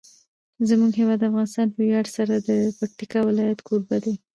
زموږ هیواد افغانستان په ویاړ سره د پکتیکا ولایت کوربه دی.